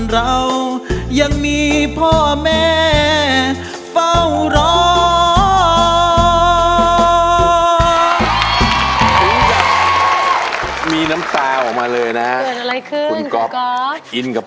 เพียงกับมีน้ำตาออกมาเลยนะครับ